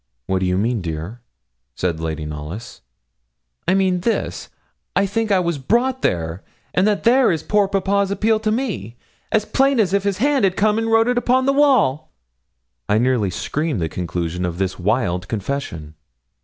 'What do you mean, dear?' said Lady Knollys. 'I mean this I think I was brought there, and that there is poor papa's appeal to me, as plain as if his hand came and wrote it upon the wall.' I nearly screamed the conclusion of this wild confession.